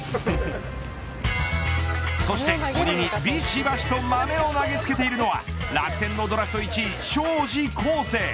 そして、鬼にビシバシと豆を投げつけているのは楽天のドラフト１位荘司康誠。